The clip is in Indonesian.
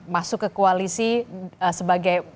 masuk ke koalisi sebagai